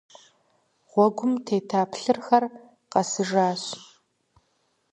Гъуэгум тета плъырхэр къэсыжащ.